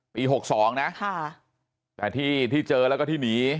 ปี๖๒นะแต่ที่เจอแล้วก็ที่หนี